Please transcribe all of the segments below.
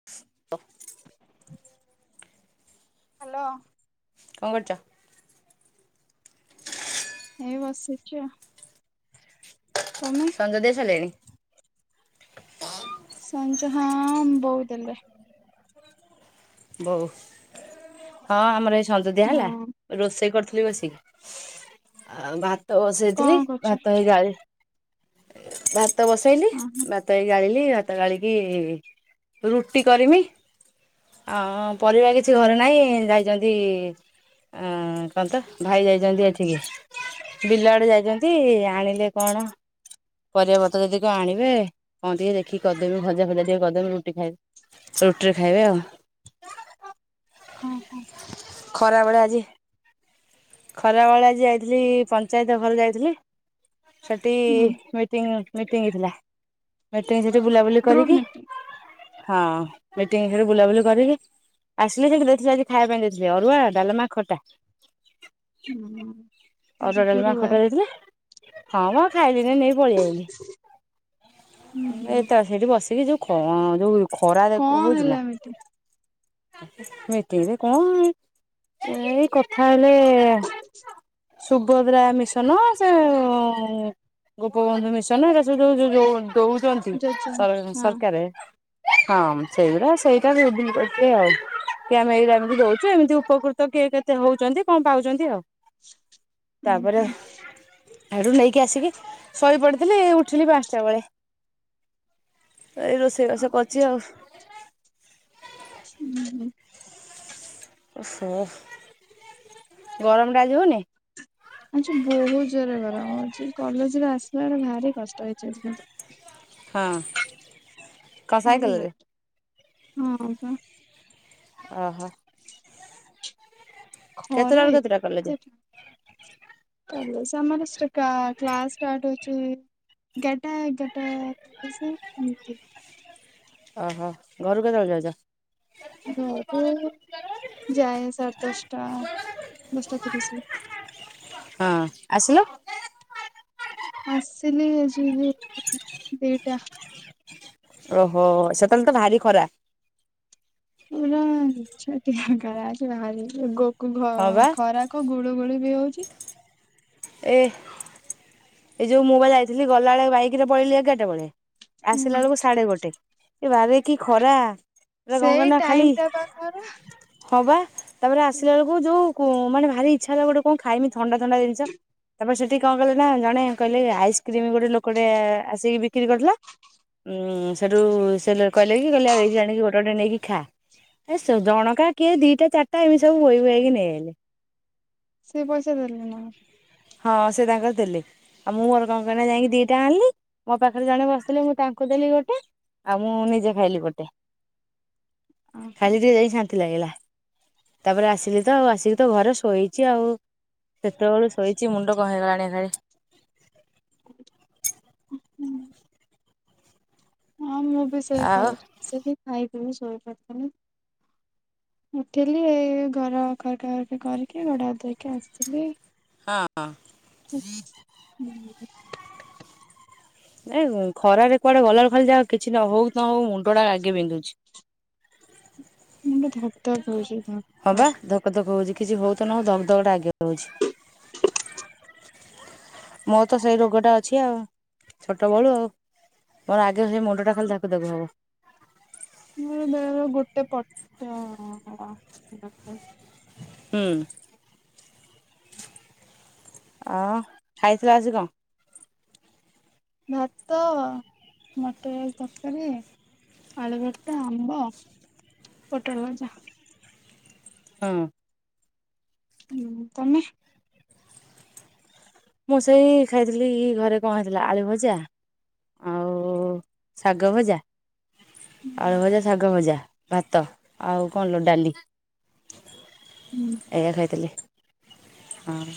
[unintelligible] Hello. କଁ କରୁଚ? ଏଇ ବସିଚି ତମେ? ଗାଧେଇ‌ ସାଇଲେଣି? ସଞ୍ଜ ହଁ ବୋଉ ଦେଲେ। ବୋଉ ହଁ ଆମର ଏଇ ସଞ୍ଜ ଦିଆ ହେଲା। ହଁ। ରୋଷେଇ କରିଥିଲି ବସିକି, ଆଉ ଭାତ ବସେଇଥିଲି। କଣ କରୁଛ ଭାତ ହେଇ ଗାଳି ଭାତ ବସେଇଲି ହଁ ହଁ ଭାତ ଏଇ ଗାଳିଲି [unintelligible] ତ ଗାଲି କି ରୁଟି କରିମି। ଆ ହଁ ପରିବା କିଛି ଘରେ ନାହିଁ ଏ ଯାଇଚନ୍ତି ଅଁ କଅଁନ୍ତ ଭାଇ ଯାଇଚନ୍ତି ଏଠିକି। ବିଲଆଡେ ଯାଇଚନ୍ତି ଆଣିଲେ କଣ ପରିବାପତର ଯଦି ଆଣିବେ କଣ ଟିକେ ଦେଖି କରଦେମି। ଭଜା ଭଜା ଟିକେ କରଦେମି। ରୁଟି ଖାଇବ୍ ରୁଟିରେ ଖାଇବେ ଆଉ। ହଁ ହଁ। ଖରାବେଳେ ଆଜି ଖରାବେଳେ ଆଜି ଯାଇଥିଲି ପଞ୍ଚାୟତ ଘର ଯାଇଥିଲି। ସେଠି ହୁଁ ମିଟିଂ-ମିଟିଂ ହେଇଥିଲା। ମିଟିଂ ସେଠି ବୁଲାବୁଲି ଗ୍ରୁପ କରିକି ମିଟିଂ ହଁ ମିଟିଂ [unintelligible] ବୁଲାବୁଲି କରିକି ଆସିଲେ ଯାଇଁକି ଦେଇଥିଲେ ଆଜି ଖାଇବା ପାଇଁ ଦେଇଥିଲେ ଅରୁଆ, ଡାଲମା, ଖଟା। ହୁଁ। ଆଜି ଅରୁଆ, ଡାଲମା, ଖଟା ଗୁରୁବାର ଦେଇଥିଲେ ହଁ ମ ଖାଇଲିିନି [unintelligible] ପଳେଇ ଆଇଲି ହୁଁ ହୁଁ ଏ ତ ସେଇଠି ବସିକି ଯୋଉ କଣ ଯୋଉ ଖରା କଣ ଦେଖ ହଉଚି ହେଲା ନା ମିଟିଂ ମିଟିଂରେ କଣ ଏଇ-ଏଇ କଥା ହେଲେ [inaudible] ସୁଭଦ୍ରା ମିଶନ [unintelligible] ଗୋପବନ୍ଧୁ ମିଶନ ଏରା ସବୁ ଯୋ ଯୋଉ [unintelligible] ସର ଯୋଜନା ହଁ। ସରକାରେ ହଁ ସେଇଗୁରା ସେଇଟା ବି [unintelligible] ଆଉ କି ଆମେ [unintelligible] ହୁଁ ଏମ୍ତି [unintelligible] ଏମ୍ତି ଉପକୃତ କିଏ କେତେ ହଉଚନ୍ତି କଣ ପାଉଚନ୍ତି ଆଉ। [inaudible] ତାପରେ ହୁଁ। ଆଡୁ ନେଇକି ଆସିକି ଶୋଇ ପଡ଼ିଥିଲି ଉଠିଲି ପାଞ୍ଚଟା ବେଳେ। ଏଇ ରୋଷେଇ ବାସ କରଚି ଆଉ। ହୁଁ। ଓହୋ ଗରମ୍ ଟା ଆଜି ହଉନି? ଆଜି ବହୁତ୍ ଜୋରରେ ଗରମ୍ ହଉଚି କଲେଜ୍ ରେ ଆସିଲା ବଳେ ଭାରି କଷ୍ଟ ହେଇଚି ଆଜି କିନ୍ତୁ। ହଁ। କଣ ସାଇକେଲରେ [unintelligible] ହଁ ବା। ଓହୋ। [inaudible] ଖରା କେତେଟାରୁ କେତେଟା କଲେଜ? ଏତେ [unintelligible] କ୍ଲା କ୍ଲାସ୍ ଷ୍ଟାର୍ଟ ହଉଚି ଏଗାରଟା ଏଗାରଟା ତିରିଶି ଏମ୍ତି ଓହୋ ଘରୁ କେତବେଳେ ଯାଉଚ? ଘରୁ ଯାଏ ସାଢ଼େ ଦଶଟା ଦଶଟା ତିରିଶି ରେ। ହଁ ଆସିଲ? ଆସିଲି ଆଜି [unintelligible] ଦିଟା। ଓହୋ ସେତବେଳେ ତ ଭାରି ଖରା। ପୁରା ନିଛାଟିଆ [unintelligible] ବାହାରି ଗୋକୁ ହଁ ବା ଖରା କଣ ଗୁଳୁ ଗୁଳି ବି ହଉଚି। ଏ ଏଇ ଯୋଉ ମୁଁ ବା ଯାଇଥିଲି ଗଲାବେଳେ ବାଇକ୍ [unintelligible] ପଳେଇଲିି ଏଗାରଟା ବେଳେ ଆସିଲା ହୁଁ ବେଳକୁ ସାଢେ ଗୋଟେ ଏ ବାରେ କି ଖରା ପୁରା ସେଇ ଟାଇମ୍ ଟା ବା ଖରା। ହଁବା ତାପରେ ଆସିଲା ବେଳୁକୁ ଯୋଉ ମାନେ ଭାରି ଇଚ୍ଛା ହେଲା ଗୋଟେ କଣ [unintelligible] ଥଣ୍ଡା-ଥଣ୍ଡା ଜିନିଷ ତାପରେ ସେଠି କଣ କଲେ ନା ଜଣେ କହିଲେ ଆଇସ୍କ୍ରିମ୍ ଗୋଟେ ଲୋକ ଟେ ଆସିକି ବିକ୍ରି କରିଥିଲା। ଉଁ ସେଠୁ ସେ କହିଲେ କି କହିଲେ ଆଉ ଏଇଠି ଆଣିକି ଗୋଟେ-ଗୋଟେ ନେଇକି ଖା। ଏ ସବୁ ଜଣକା କିଏ ଦିଟା ଚିଟା ଏମ୍ତି ସବୁ ବହି ବହିକି ନେଇଗଲେ। ସେ ପଇସା ଦେଲେ ନା ହଁ, ସେ ତାଙ୍କର ଦେଲେ। ଆଉ ମୁଁ ମୋର [unintelligible] ଯାଇକି ଦିଟା ଆଣିଲି, ମୋ ପାଖରେ ଜଣେ ବସିଥିଲେ ମୁଁ ତାଙ୍କୁ ଦେଲି ଗୋଟେ ଆଉ ମୁଁ ନିଜେ ଖାଇଲି ଗୋଟେ ଓହୋ। ଖାଇଲି ଯେ ଯାଇ ଲାଗିଲା ତାପରେ ଆସିଲି ତ ଆଉ ଆସିକି ତ ଘରେ ଶୋଇଛି ଆଉ ସେତେବେଳୁ ଶୋଇଛି ମୁଣ୍ଡ କଣ ହେଇଗଲାଣି [inaudible] ହୁଁ। ହଁ ମୁଁ ବି ସେ ଆଉ କଲେଜ ଆସି ଖାଇ ପିଇ ଶୋଇ ପଡ଼ିଥିଲି। ଉଠିଲି [unintelligible] ଆସିଲି। [inaudible] [unintelligible] ନାଇଁ ଖରାରେ କୁଆଡେ ଗଲା ଖାଲି ଯା କିଛି ହଉ କି ନ ହଉ ମୁଣ୍ଡ ଟା ଆଗେ ବିନ୍ଧୁଛି। ମୁଣ୍ଡ ଧକ୍ ଧକ ହଉଛି ଧକ୍ ହଁ ବା ଧକ। ଧକ ଧକ୍ ହଉଛି କିଛି ହଉ ତ ନଉ ଧକ ଧକଟା ଆଗେ ହଉଛି। ମୋ ତ ସେଇ ରୋଗଟା ଅଛି ଆଉ ଛୋଟ ବଳୁ ଆଉ। ମୋର ଆଗେ ସେ ମୁଣ୍ଡଟା ଖାଲି ଧାକୁ ଧାକ୍ ହବ। ମୋର ଦେହର ଗୋଟେ ପଟ [unintelligible] ହୁଁ। ଆ ଖାଇଥିଲ ଆଜି କଣ? ଭାତ, ମଟର ଆଳୁ ତରକାରୀ। ଆଳୁ ଭରତା, ଆମ୍ୱ, ପୋଟଳ ଭଜା। ହଁ ହୁଁ ତମେ? ମୁଁ ସେଇ ଖାଇଥିଲି ଘରେ କଣ ହେଇଥିଲା? ଆଳୁ ଭଜା ଆଉ ଶାଗ ଭଜା। ଆଳୁ ଭଜା, ଶାଗ ଭଜା, ଭାତ ଆଉ କଣ ଲ ଡାଲି। ହୁଁ [inaudible] ଏଇଆ ଖାଇଥିଲି ହଁ।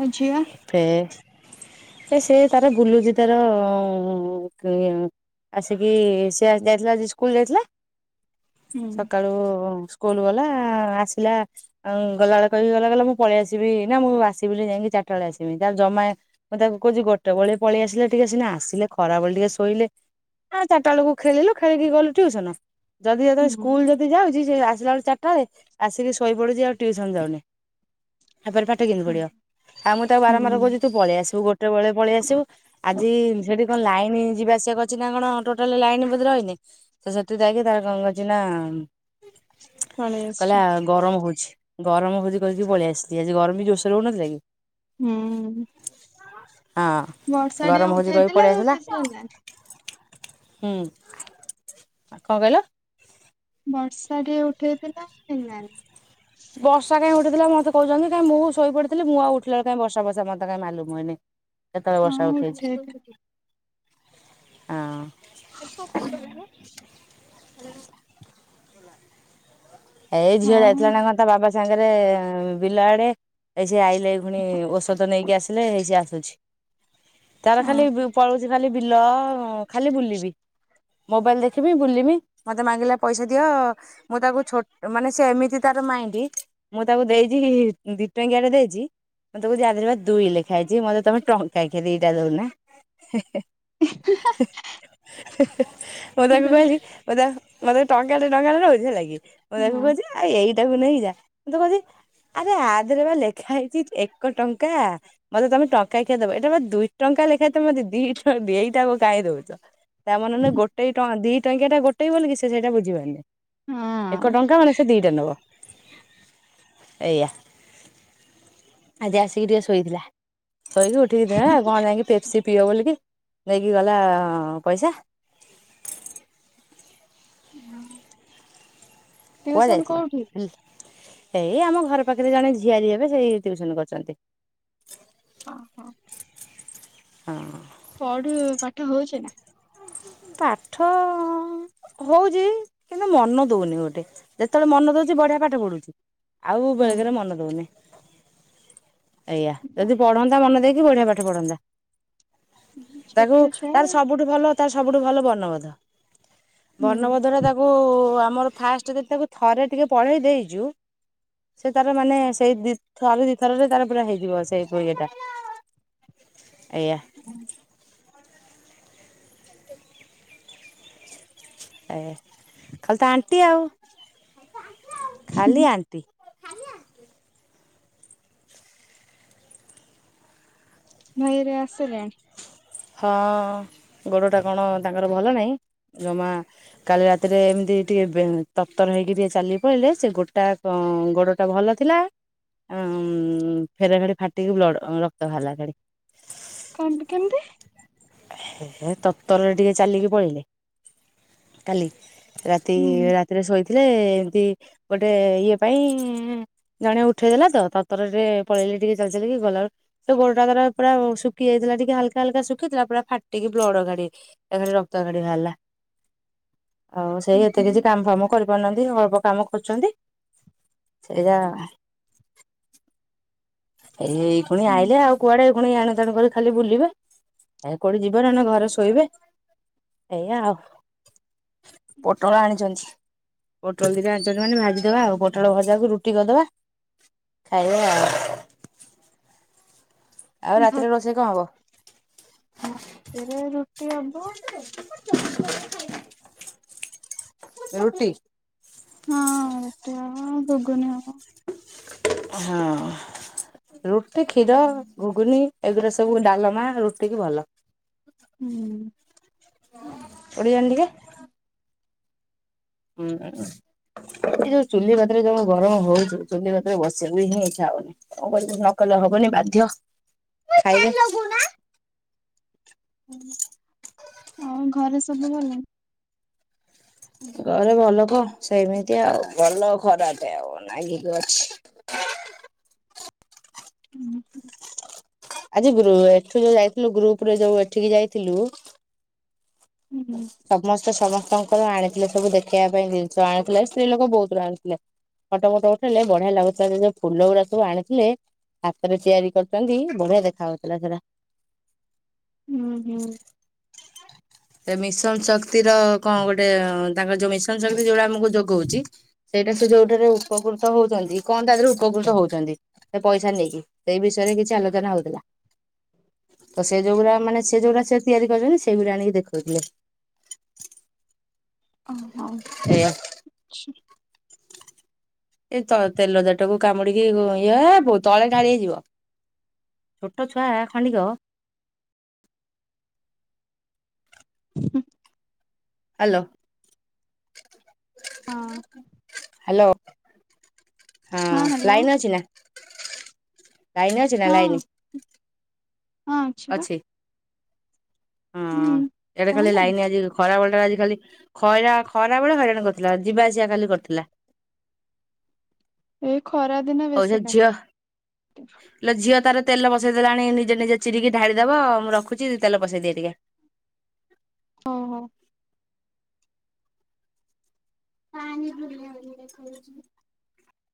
[inaudible] ଆଉ ଝିଅ। ହେ ସେ ତାର ବୁଲୁଚି ତାର ଉଁ ଆସିକି ସେ ଆସ ଯାଇଥିଲା ଆଜି ସ୍କୁଲ ଯାଇଥିଲା ହୁଁ ସକାଳୁ କୁଲ୍ ଗଲା ଆସିଲା ଆଉ ଗଲାବେଳେ କହିକି ଗଲା ଗଲା ମୁଁ ପଳେଇ ଆସିବି ନା ମୁଁ ଆସିବି ବିଲି ଯାଇକି ଚାରିଟା ବେଳେ ଆସିବି ଜମା ମୁଁ ତାକୁ କହୁଚି ଗୋଟେ ବେଳେ ପଳେଇଆସିଲା ଟିକେ ସିନା ଆସିଲେ ଖରାବେଳେ ଟିକେ ଶୋଇଲେ ହଁ ଚାରିଟା ବେଳକୁ ଖେଳିଲୁ ଖେଳିକି ଗଲୁ ଟିୟୁସନ ଯଦି ଯେତେବେଳେ ହୁଁ ସ୍କୁଲ ଯି ଯାଉଛି ଆସିଲା ବେଳ ଚାରିଟାଳେ ଆସିକି ଶୋଇ ପଡୁଛି ଆଉ ଟିୟୁସନ୍ ଯାଉନି ତାପରେ ପା ଠ କେମିତି ପଢିବ ଆଉ ମୁଁ ତାକୁ ବାରମ୍ବାର ହୁଁ କହୁଛି ତୁ ପଳେଇ ଆସିବୁ ଗୋଟେ ଚାଟ ବେଳେ ପଳେଇ ଆସିବୁ ଆଜି ସେଠି କଣ ଲାଇନ ଯିବା ଆସିବା କରୁଚି ନା କଣ ଟୋଟଲ ଲାଇନ୍ ରହିନି ସେ ସେଥି ଯାଇକି ତାର କନ କଚି ନା ପଳେଇ ଆସିଛି କହିଲା ଗରମ ହଉଚି ଗରମ ହଉଚି କଇକି ପଳେଇଆସିଚି ଆଜି ଗରମ ବି ଜୋରସୋରେ ହଉ ନଥିଲା କି? ହୁଁ। ହଁ ବର୍ଷା ଟିକେ ଗରମ ହଉଛି କହି ଉଠେଇଥିଲା ପଳେଇ ଆଉ ଆସିଲା। କିଛି ହେଲାନି [inaudible] ହୁଁ। କଣ କହିଲ? ବର୍ଷାଟେ ଉଠେଇଥିଲା ହେଲାନି। ବର୍ଷା କାଁ ଉଠେଇଥିଲା ମତେ କହୁଛନ୍ତି କାଇଁ ମୁଁ ଶୋଇ ପଡିଥିଲି ମୁ ଆଉ ଉଠଲା କାହି ବର୍ଷା ପର୍ଷା ମତେ କାଇଁ ମାଲୁମହେଇନି। କେତେବେଳେ ବର୍ଷା ହଁ ଉଠେଇଛି? ଉଠେଇଥିଲା [inaudible] ହଁ। [unintelligible] ଏଇ ଝିଅ ହଉ ଯାଇଥିଲା ନା କଣ ତା ବାବା ସାଙ୍ଗେରେ ବିଲ ଆଡେ? ଏଇ ସେ ଆଇଲେ ଏ ଫୁଣି ଔଷଧ ନେଇକି ଆସିଲେ ଏଇ ସେ ଆସୁଛି। ତାର ହଁ ଖାଲି ପଳଉଚି ଖାଲି ବିଲ ଖାଲି ବୁଲିବି। ମୋବାଇଲି ଦେଖିବି ବୁଲିବି ମତେ ମାଗିଲା ପଇସା ଦିଅ ମୁଁ ତାକୁ ଛୋଟ ମାନେ ସେ ଏମିତି ତାର ମାଇଣ୍ଡି ମୁଁ ତାକୁ ଦେଇଚି ଦି ଟଙ୍କିଆ ଟେ ଦେଇଚି। ମତେ କହୁଚି ଆଦେହରେ ପା ଦୁଇ ଲେଖା ହେଇଚି ମତେ ତମେ ଟଙ୍କାକିଆ ଦିଟା ଦୋଉନା ହେ ହେ। ହେ ହେ ମୁଁ ତାକୁ କହିଲି। ମତେ ଟଙ୍କା ଟେ ଟଙ୍କା ଟେ ନୋଉଚି ହେଥିଲା କି ମୁଁ ତାକୁ କୋହୁଚି। ଆ ଏଇଟାକୁ ନେଇ ଯା ମୁଁ ତ କହୁଚ। ଆରେ ଆଦେହରେ ପା ଲେଖା ହେଇଚି ଏକ ଟଙ୍କା। ମତେ ତମେ ଟଙ୍କା କିଆ ଦବ ଏଟା ବା ଦୁଇ ଟଙ୍କା ଲେଖାଏ ତମେ ମତେ ଦି ଏଇଟାକୁ କାଇଁ ଦୋଉଚ। ତା ମନେ ନେ ମନେ ନେ ଗୋଟ ଟେ ଦି ଟଙ୍କିଆ ଟା ଗୋଟେ ବୋଲି କି ସେ ସେଇଟା ବୁଝିପାରୁନେହି। ଏକ ହଁ। ଟଙ୍କା ମାନେ ସେ ଦିଇଟା ନବ ଏଇଆ। ଆଜି ଆସିକି ଟିକେ ଶୋଇଥିଲା। ଶୋଇକି ଉଠିକି ଦେ କଣ ଯାଇକି ପେପ୍ସି ପିଇବ ବୋଲିକି ନେଇକି ଗଲା ପଇସା। ହୁଁ। କୁଆଡେ ଯାଇଥିଲ? କୋଉଠି ହେଲେ ଏଇ ଆମ ଘର ପାଖରେ ଜଣେ ଝିଆରି ହେବେ ସେଇ ଟିଉସନ୍ କରୁଚନ୍ତ। ଓ ହୋ। ହଁ। ପଢିବୁ ପାଠ ହୋଉଚେ ନା? ପାଠ ଆ ହୋଉଚି କିନ୍ତୁ ମନ ଦୋଉନି ଗୋଟେ ଯେତେବେଳେ ମନ ଦୋଉଚି ବଢିଆ ପାଠ ପଢୁଚି। ଆଉ ହୁଁ ବେଳେକେରେ ମନ ଦୋଉନେହିଁ। ଏଇଆ ଯଦି ପଢନ୍ତା ମନ ଦେଇକି ବଢିଆ ପାଠ ପଢନ୍ତା। ତାକୁ ଛୋଟ ଛୁଆ ତାର ସବୁଠୁ ଭଲ ତାର ସବୁଠୁ ଭଲ ବର୍ଣ୍ଣବୋଧ। ହୁଁ ବର୍ଣ୍ଣବୋଧ ଟା ତାକୁ ଆମର ଫାଷ୍ଟେ ଯେଦି ତାକୁ ଥରେ ଟିକେ ପଢେଇ ଦେଇଚୁ। ସେ ତାର ମାନେ ସେଇ ଦି ଥାରେ ଦିଇଥରରେ ତାର ପୁରା ହେଇଯିବ ସେଇ ପୁରାଇଏ ଟା। ଏଇଆ। [inaudible] ଏ ଖାଲି ତ ଆଣ୍ଟି ଆଉ ଖାଲି ଆଣ୍ଟି। ଭାଇହେରିକା ଆସିଲେଣି? ହଁ ଗୋଡ଼ଟା କଣ ତାଙ୍କର ଭଲ ନାହିଁ। ଜମା କାଲି ରାତିରେ ଏମିତି ଟିକେ ତତର ହେଇକି ଟିକେ ଚାଲିକି ପଳେଇଲେ ସେ ଗୋଟା ଗୋଡ ସେଟା ଭଲ ଥିଲା ଉଁ ଫେରେ ଫେରି ଫାଟିକି ବ୍ଲଡ଼ ରକ୍ତ ବାହାରିଲା ଫେରେ। କେମିତି କେମିତି? ହେ ତରତ୍ତରରେ ଟିକେ ଚାଲିକି ପଳେଇଲେ କାଲି। ରାତି ହୁଁ ରାତିରେ ଶୋଇଥିଲେ ଏମତି ଗୋଟେ ଇଏ ପାଇଁ। ଜଣେ ଉଠେଇ ଦେଲାତ ତତର ହେଇକି ପଳେଇଲେ ଟିକେ ଚାଲି ଚାଲିକି ଗଲାବେଳକୁ ସେ ଗୋଡଗୁରାକ ପୁରା ଶୁଖି ଯାଇଥିଲା ଟିକେ ହାଲ ହାଲକା ହାଲକା ଶୁଖିଥିଲା ପୁରା ଫାଟିକି ବ୍ଲଡକାଢି ରକ୍ତ ଖାଲି ବାହାରିଲା। ଆଉ ସେଇ ଏତେ କିଛି କାମ ଫାମ କରିପାରୁନାହାନ୍ତି ଅଳପ କାମ କରୁଚନ୍ତି। ସେଇଆ। ଏଇ ପୁଣି ଆଇିଲେ ଆଉ କୁଆଡେ ପୁଣି ଏଣୁ ତେଣୁ କରି ଖାଲି ବୁଲିବେ ଆ କୋଉଠି ଯିବେ ନନେ ଘରେ ଶୋଇବେ ଏଇଆା ଆଉ। ପୋଟଳ ଆଣିଚନ୍ତି। ପୋଟଳ ଦିଟା ଆଣିଚନ୍ତି ମାନ ଭାଜିଦବା ଆଉ ପୋଟଳ ଭଜାକୁ ରୁଟି କରିଦବା। ଆଜ୍ଞା। ଆଉ ରାତିରେ ରୋଷେଇ କଣ ହବ? ମୋ ରାତିରେ ରୁଟି ହବ। ରୁଟି? ହଁ ରୁଟି ହବ ଗୁଗୁନି ହବ। ଏ ହଁ। ରୁଟି, କ୍ଷୀର, ଗୁଗୁନି ଏଗୁଡା ସବୁ ଡାଲମା ରୁଟିିକି ଭଲ। ହୁଁ। ଉଡିଆଣ୍ ଟିକେ। ହୁଁ ଉଁ। ଏଇ ଯଉ ଚୁଲି କତିରେ ଯଉ ଗରମ ହଉଛି ଚୁଲି କତିରେ ବସିବାକୁହି ଇଛା ହଉନି। କଣ କରିବି ନକଲେ ହବନି ବାଧ୍ୟ୍ୟ ଖାଇଲେ ହୁଁ। ଆଉ ଘରେ ସବୁ ଭଲ? ଘରେ ଭଲ କହ ସେମିତି ଆଉ ଭଲ ଖରାପେ ଆଉ ନାଗିକି ଅଛି। ଉଁ ହୁଁ। ଆଜି ଗ୍ରୁ ଏଠୁ ଯୋଉ ଯାଇଥିଲୁ ଗ୍ରୁପ୍ ରେ ଯଉ ଏଠିକି ଯାଇଥିଲୁ ହୁଁ ସମ୍ପ୍ ସମସ୍ତେ ସମସ୍ତଙ୍କର ଆଣିଥିଲେ ସବୁ ଦେଖେଇବା ପାଇଁ ଜିନ୍ଷ ଆଣିଥିଲେ ସ୍ତ୍ରୀ ଲୋକ ବହୁତୁ ର ଆଣିଥିଲେ। ଫଟ ମୋଟ ଉଠେଇଲେ ବଢିଆ ଲାଗୁଥିଲା ସେ ଯଉ ଫୁଲ ଗୁଡା ସବୁ ଆଣିଥିଲେ ହାତରେ ତିଆରି କର୍ଚନ୍ତି ବଢିଆ ଦେଖା ହଉଥିଲା ସେରା। ହୁଁ ହୁଁ। ଏ ମିଶନ୍ ଶକ୍ତିର କଣ ଗୋଟେ ତାଙ୍କର ଯଉ ମିଶନ୍ ଶକ୍ତି ଯଉଳା ଆମକୁ ଯୋଗଉଚି ସେଇଟା ସେ ଯଉଠାରେ ଉପକୃତ ହଉଛନ୍ତି କଣ ତା ଦେହେରେ ଉପକୃତ ହଉଛନ୍ତି। ସେ ପଇସା ନେଇକି ସେଇ ବିଷୟରେ କିଛି ଆଲୋଚନା ହଉଥିଲା। ତ ସେ ଯଉଗୁରା ମାନେ ସେ ଯଉରି ସେ ତିଆରି କରିଚନ୍ତି ସେଇଗୁରି ଆଣିକି ଦେଖଉଥିଲେ। ଅ ହଁ ଏଇଆ। ଛି। ଏଇ ତ ତେଲ ଜାହାର୍ ଟାକୁ କାମୁଡିକି ଇଏ ହେବୁ ତଳେ ଢାଳି ହେଇଯିବ। ଛୋଟ ଛୁଆ ଖଣ୍ଡିକ ହୁଁ। ଆଲୋ। ହଁ। ହାଲୋ ହଁ ହ୍ୟାଲୋ ଲାଇନ୍ ଅଛି ନା? ଲାଇନି ଅଛି ନା ହଁ ଲାଇନି? ହଁ ଅଛିବା। ହଁ ଇଆଡ଼େ ଖାଲି କହନି ଲାଇନି ଆଜି ଦୁ ଖରା ବେଳେ ଟା ଆଜି ଖାଲି ଖଇରା ଖରା ବେଳେ ହଇରାଣ କର୍ଥିଲା ଯିବାଆସିବା ଖାଲି କର୍ଥିଲା। ଏଇ ଖରା ଦିନ ଆଉ ବେଶୀ ସେ କାଟେ ଝିଅ ଇଲୋ ଝିଅ ତାର ତେଲ ବସାଇ ଦେଲାଣି ନିଜେ ନିଜେ ଚିରିକି ଢାଳିଦବ ମୁଁ ରଖୁଛି ତେଲ ବସେଇ ଦିଏ ଟିକେ। ହଉ ହଉ। [unintelligible]